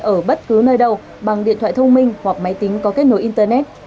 ở bất cứ nơi đâu bằng điện thoại thông minh hoặc máy tính có kết nối internet